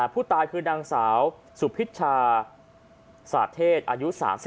ผู้ตายคือนางสาวสุพิชชาสาเทศอายุ๓๒